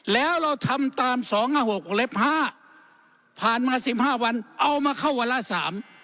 แล้วเราทำตาม๒๕๖กรุงเล็บ๕ผ่านมา๑๕วันเอามาเข้าวันละ๓